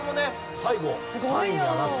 最後３位に上がって。